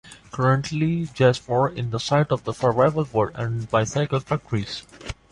Currently Jastrowie is the site of several wood and bicycle factories.